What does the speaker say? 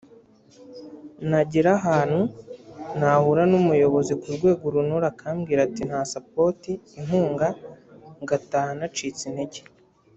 nagera ahantu nahura n’umuyobozi ku rwego uru n’uru akambwira ati nta support (inkunga) ngataha nacitse intege